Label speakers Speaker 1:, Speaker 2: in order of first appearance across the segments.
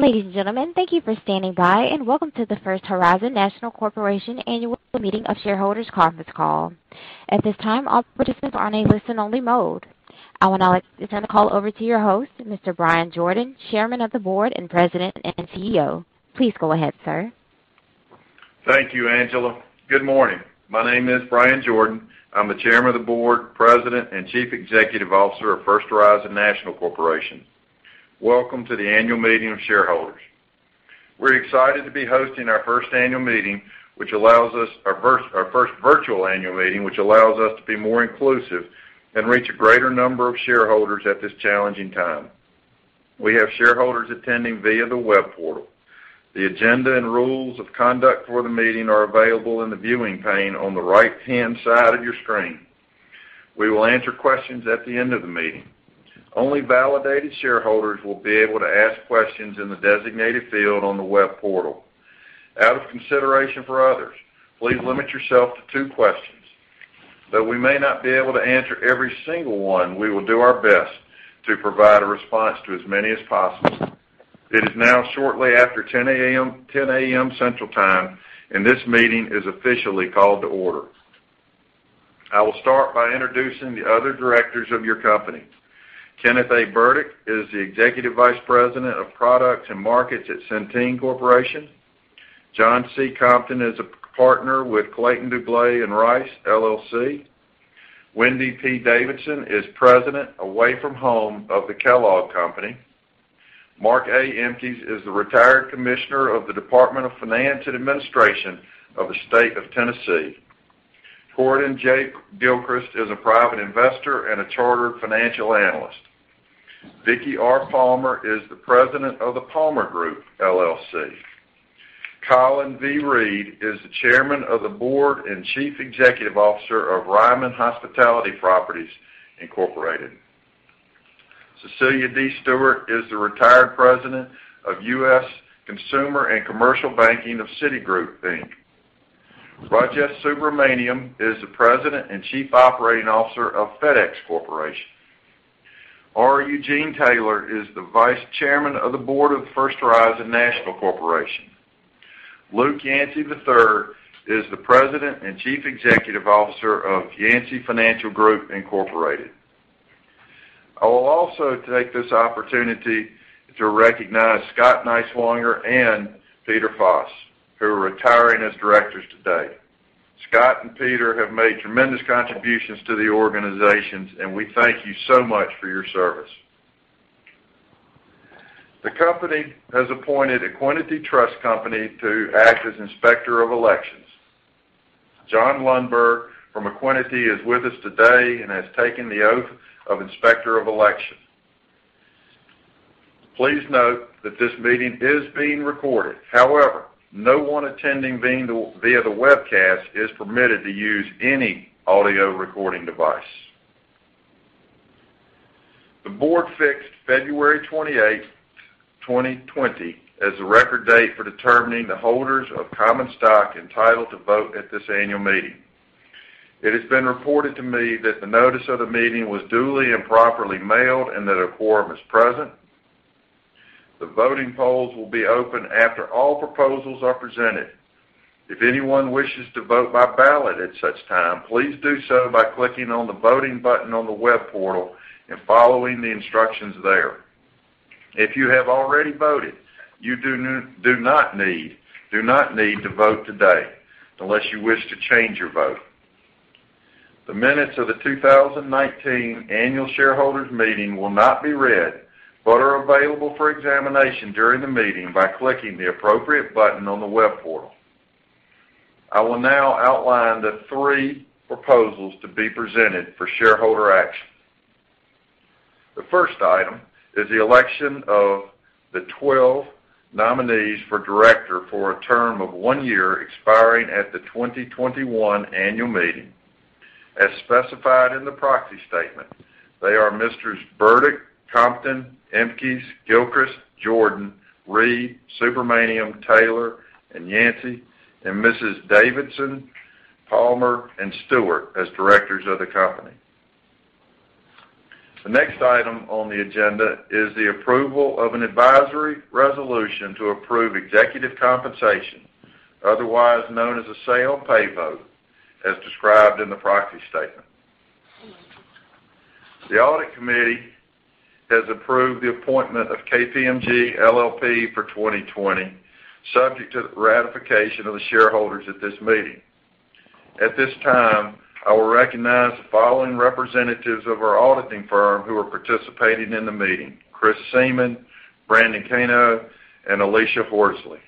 Speaker 1: Ladies and gentlemen, thank you for standing by, and welcome to the First Horizon National Corporation Annual Meeting of Shareholders conference call. At this time, all participants are in a listen-only mode. I would now like to turn the call over to your host, Mr. Bryan Jordan, Chairman of the Board and President and CEO. Please go ahead, sir.
Speaker 2: Thank you, Angela. Good morning. My name is Bryan Jordan. I'm the Chairman of the Board, President, and Chief Executive Officer of First Horizon National Corporation. Welcome to the annual meeting of shareholders. We're excited to be hosting our first virtual annual meeting, which allows us to be more inclusive and reach a greater number of shareholders at this challenging time. We have shareholders attending via the web portal. The agenda and rules of conduct for the meeting are available in the viewing pane on the right-hand side of your screen. We will answer questions at the end of the meeting. Only validated shareholders will be able to ask questions in the designated field on the web portal. Out of consideration for others, please limit yourself to two questions. Though we may not be able to answer every single one, we will do our best to provide a response to as many as possible. It is now shortly after 10:00 A.M. Central Time, and this meeting is officially called to order. I will start by introducing the other directors of your company. Kenneth A. Burdick is the Executive Vice President of Products and Markets at Centene Corporation. John C. Compton is a partner with Clayton, Dubilier & Rice LLC. Wendy P. Davidson is President Away From Home of The Kellogg Company. Mark A. Emkes is the Retired Commissioner of the Department of Finance & Administration of the State of Tennessee. Gordon J. Gilchrist is a private investor and a chartered financial analyst. Vicky R. Palmer is the President of The Palmer Group LLC. Colin V. Reed is the Chairman of the Board and Chief Executive Officer of Ryman Hospitality Properties, Inc. Cecelia D. Stewart is the Retired President of US Consumer and Commercial Banking of Citigroup. Rajesh Subramaniam is the President and Chief Operating Officer of FedEx Corporation. R. Eugene Taylor is the Vice Chairman of the Board of First Horizon National Corporation. Luke Yancey III is the President and Chief Executive Officer of Yancey Financial Group, Inc.. I will also take this opportunity to recognize Scott Niswonger and Peter Foss, who are retiring as Directors today. Scott and Peter have made tremendous contributions to the organizations, and we thank you so much for your service. The company has appointed Equiniti Trust Company to act as Inspector of Elections. John Lundergan from Equiniti is with us today and has taken the oath of Inspector of Election. Please note that this meeting is being recorded. However, no one attending via the webcast is permitted to use any audio recording device. The board fixed February 28th, 2020, as the record date for determining the holders of common stock entitled to vote at this annual meeting. It has been reported to me that the notice of the meeting was duly and properly mailed and that a quorum is present. The voting polls will be open after all proposals are presented. If anyone wishes to vote by ballot at such time, please do so by clicking on the voting button on the web portal and following the instructions there. If you have already voted, you do not need to vote today unless you wish to change your vote. The minutes of the 2019 Annual Shareholders Meeting will not be read, but are available for examination during the meeting by clicking the appropriate button on the web portal. I will now outline the three proposals to be presented for shareholder action. The first item is the election of the 12 nominees for director for a term of one year expiring at the 2021 annual meeting. As specified in the proxy statement, they are Mrs. Burdick, Compton, Emkes, Gilchrist, Jordan, Reed, Subramaniam, Taylor, and Yancey, and Mrs. Davidson, Palmer, and Stewart as directors of the company. The next item on the agenda is the approval of an advisory resolution to approve executive compensation, otherwise known as a say on pay vote, as described in the proxy statement. The audit committee has approved the appointment of KPMG LLP for 2020, subject to the ratification of the shareholders at this meeting. At this time, I will recognize the following representatives of our auditing firm who are participating in the meeting: Chris Seamon, Brandon Conard, and Alyssa Horsley.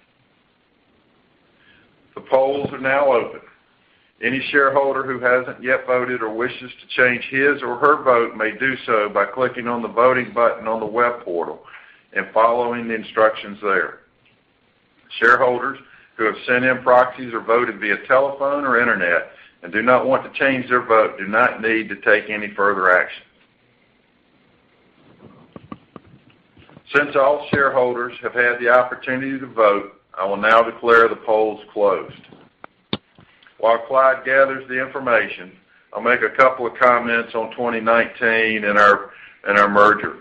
Speaker 2: The polls are now open. Any shareholder who hasn't yet voted or wishes to change his or her vote may do so by clicking on the voting button on the web portal and following the instructions there. Shareholders who have sent in proxies or voted via telephone or internet and do not want to change their vote do not need to take any further action. Since all shareholders have had the opportunity to vote, I will now declare the polls closed. While Clyde gathers the information, I'll make a couple of comments on 2019 and our merger.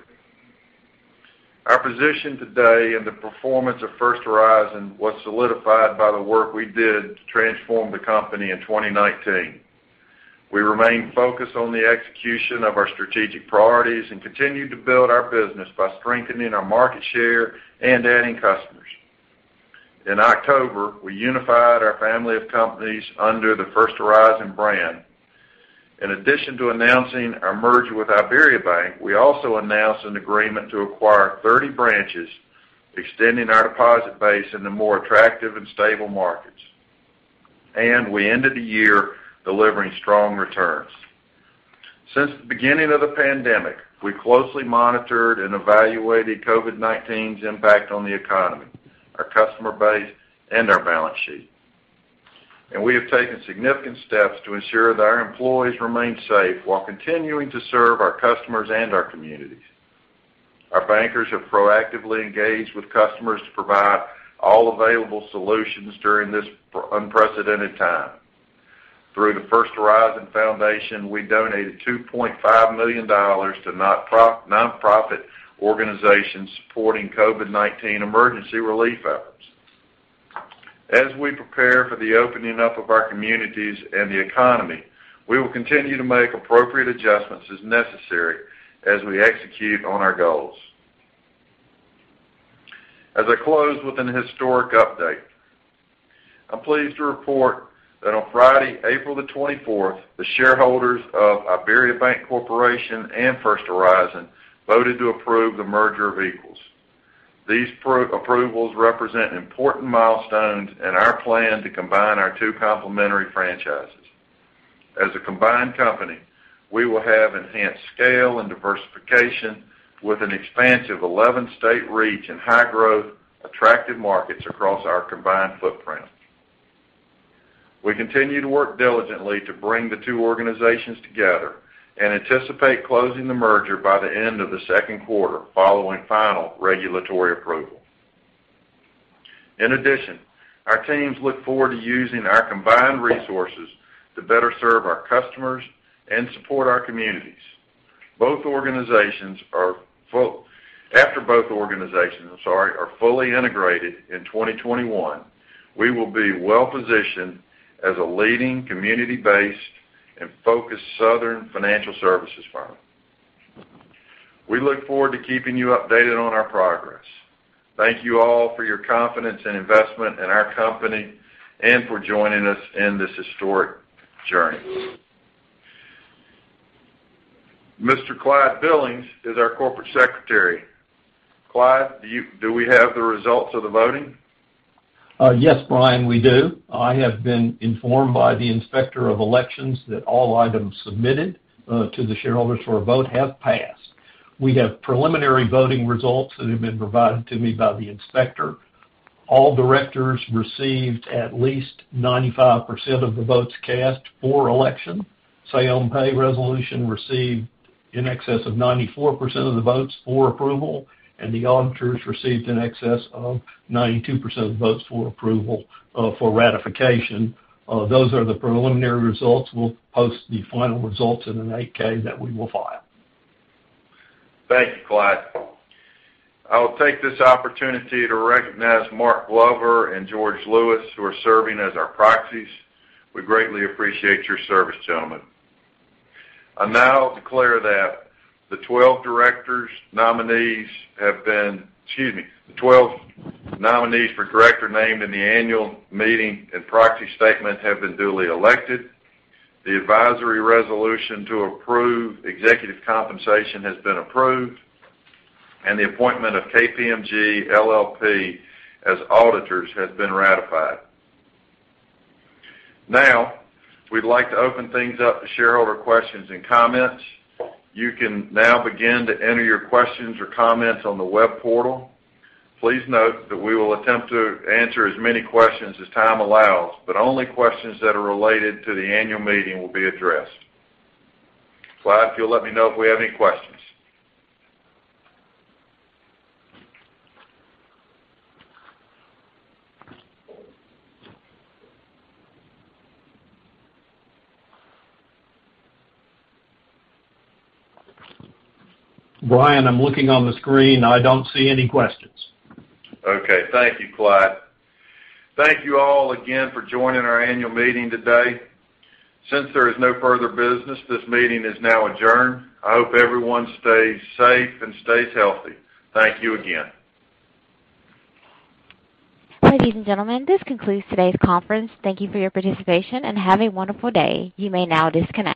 Speaker 2: Our position today and the performance of First Horizon was solidified by the work we did to transform the company in 2019. We remain focused on the execution of our strategic priorities and continue to build our business by strengthening our market share and adding customers. In October, we unified our family of companies under the First Horizon brand. In addition to announcing our merger with IBERIABANK, we also announced an agreement to acquire 30 branches, extending our deposit base into more attractive and stable markets. We ended the year delivering strong returns. Since the beginning of the pandemic, we closely monitored and evaluated COVID-19's impact on the economy, our customer base, and our balance sheet. We have taken significant steps to ensure that our employees remain safe while continuing to serve our customers and our communities. Our bankers have proactively engaged with customers to provide all available solutions during this unprecedented time. Through the First Horizon Foundation, we donated $2.5 million to nonprofit organizations supporting COVID-19 emergency relief efforts. As we prepare for the opening up of our communities and the economy, we will continue to make appropriate adjustments as necessary as we execute on our goals. As I close with an historic update, I'm pleased to report that on Friday, April the 24th, the shareholders of IBERIABANK Corporation and First Horizon voted to approve the merger of equals. These approvals represent important milestones in our plan to combine our two complementary franchises. As a combined company, we will have enhanced scale and diversification with an expansive 11-state reach and high growth, attractive markets across our combined footprint. We continue to work diligently to bring the two organizations together and anticipate closing the merger by the end of the second quarter, following final regulatory approval. In addition, our teams look forward to using our combined resources to better serve our customers and support our communities. After both organizations, I'm sorry, are fully integrated in 2021, we will be well-positioned as a leading community-based and focused southern financial services firm. We look forward to keeping you updated on our progress. Thank you all for your confidence and investment in our company, and for joining us in this historic journey. Mr. Clyde Billings is our corporate secretary. Clyde, do we have the results of the voting?
Speaker 3: Yes, Bryan, we do. I have been informed by the Inspector of Elections that all items submitted to the shareholders for a vote have passed. We have preliminary voting results that have been provided to me by the inspector. All directors received at least 95% of the votes cast for election. Say-on-pay resolution received in excess of 94% of the votes for approval, and the auditors received in excess of 92% of the votes for ratification. Those are the preliminary results. We'll post the final results in an 8-K that we will file.
Speaker 2: Thank you, Clyde. I will take this opportunity to recognize Mark Glover and George Lewis, who are serving as our proxies. We greatly appreciate your service, gentlemen. I now declare that the 12 nominees for director named in the annual meeting and proxy statement have been duly elected, the advisory resolution to approve executive compensation has been approved, and the appointment of KPMG LLP as auditors has been ratified. We'd like to open things up to shareholder questions and comments. You can now begin to enter your questions or comments on the web portal. Please note that we will attempt to answer as many questions as time allows, only questions that are related to the annual meeting will be addressed. Clyde, if you'll let me know if we have any questions.
Speaker 3: Bryan, I'm looking on the screen. I don't see any questions.
Speaker 2: Okay. Thank you, Clyde. Thank you all again for joining our annual meeting today. Since there is no further business, this meeting is now adjourned. I hope everyone stays safe and stays healthy. Thank you again.
Speaker 1: Ladies and gentlemen, this concludes today's conference. Thank you for your participation, and have a wonderful day. You may now disconnect.